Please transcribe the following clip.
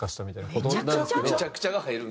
「めちゃくちゃ」が入る？